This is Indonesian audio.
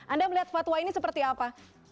anda melihat fatwa ini seperti apa